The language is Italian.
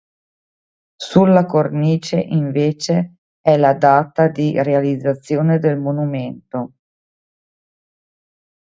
Sulla cornice, invece, è la data di realizzazione del monumento.